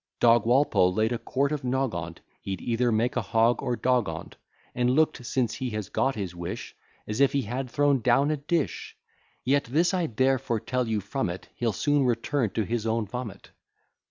Dog Walpole laid a quart of nog on't, He'd either make a hog or dog on't; And look'd, since he has got his wish, As if he had thrown down a dish, Yet this I dare foretell you from it, He'll soon return to his own vomit.